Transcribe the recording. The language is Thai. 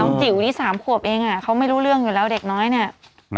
จิ๋วนี่๓ขวบเองเขาไม่รู้เรื่องอยู่แล้วเด็กน้อยเนี่ย